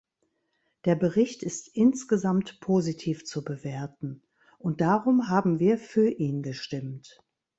Der Bericht ist insgesamt positiv zu bewerten, und darum haben wir für ihn gestimmt.